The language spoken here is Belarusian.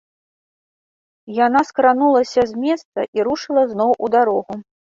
Яна скранулася з месца і рушыла зноў у дарогу.